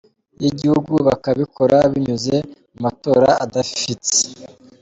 y’igihugu, bakabikora binyuze mu matora adafifitse.